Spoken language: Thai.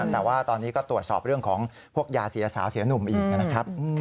แต่ว่าตอนนี้ก็ตรวจสอบเรื่องของพวกยาเสียสาวเสียหนุ่มอีกนะครับ